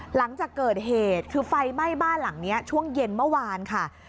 หลังจากเกิดเหตุคือไฟไหม้บ้านหลังนี้ช่วงเย็นเมื่อวานค่ะ